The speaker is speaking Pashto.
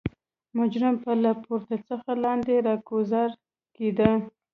مجرم به له پورته څخه لاندې راګوزار کېده.